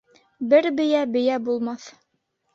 Бер бейә бейә булмаҫ